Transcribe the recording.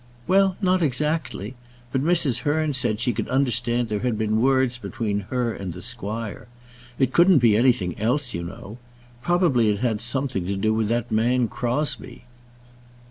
"Well, not exactly. But Mrs. Hearn said she could understand there had been words between her and the squire. It couldn't be anything else, you know. Probably it had something to do with that man Crosbie."